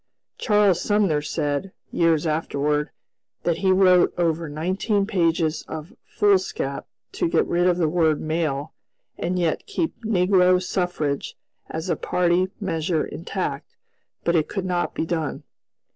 Charles Sumner said, years afterward, that he wrote over nineteen pages of foolscap to get rid of the word "male" and yet keep "negro suffrage" as a party measure intact; but it could not be done.